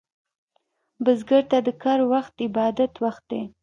بزګر ته د کر وخت عبادت وخت دی